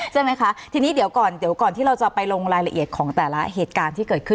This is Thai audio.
ใช่ไหมคะทีนี้เดี๋ยวก่อนเดี๋ยวก่อนที่เราจะไปลงรายละเอียดของแต่ละเหตุการณ์ที่เกิดขึ้น